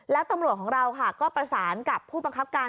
แล้วตำรวจของเราค่ะก็ประสานกับผู้บังคับการ